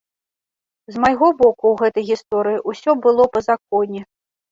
З майго боку ў гэтай гісторыі ўсё было па законе.